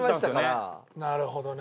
なるほどね。